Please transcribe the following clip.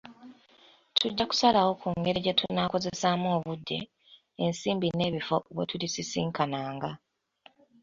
Tujja kusalawo ku ngeri gye tunaakozesaamu obudde, ensimbi n'ebifo wetulisisinkananga.